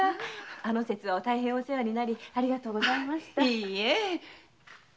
あの節は大変お世話になりありがとうございました。